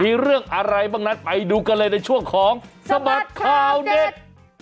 มีเรื่องอะไรบ้างนั้นไปดูกันเลยในช่วงของสบัดข่าวเด็ด